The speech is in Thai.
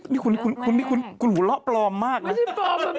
นี่ฮูฮูหูเหลาะปลอมมากนะ